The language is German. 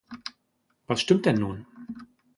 Was stimmt denn nun?